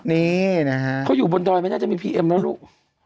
นี่นะฮะเขาอยู่บนดอยไม่น่าจะมีพีเอ็มแล้วลูก